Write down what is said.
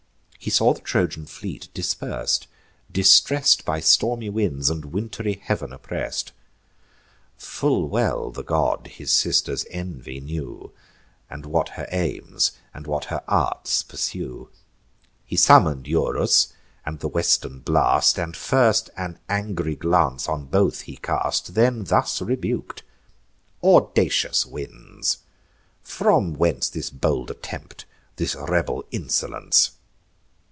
He saw the Trojan fleet dispers'd, distress'd, By stormy winds and wintry heav'n oppress'd. Full well the god his sister's envy knew, And what her aims and what her arts pursue. He summon'd Eurus and the western blast, And first an angry glance on both he cast; Then thus rebuk'd: "Audacious winds! from whence This bold attempt, this rebel insolence?